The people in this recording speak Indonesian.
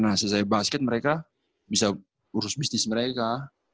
nah sesuai basket mereka bisa urus bisnis mereka